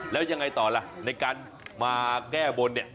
แล้วยังไงต่อล่ะในการมาแก้บนเนี่ย